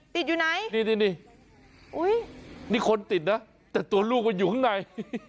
ติดอยู่ไหนนี่นี่คนติดนะแต่ตัวลูกมันอยู่ข้างใน